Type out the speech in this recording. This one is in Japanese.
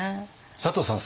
佐藤さん